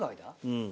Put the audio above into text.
うん。